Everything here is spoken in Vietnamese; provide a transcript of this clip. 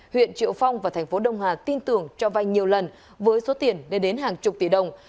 huyện triệu phong và thành phố đông hà tin tưởng cho vay nhiều lần với số tiền lên đến hàng chục tỷ đồng